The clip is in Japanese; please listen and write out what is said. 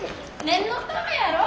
念のためやろ。